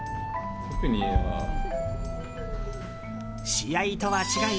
試合とは違い